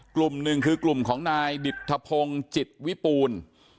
กลุ่มหนึ่งคือกลุ่มของนายดิตธพงศ์จิตวิปูน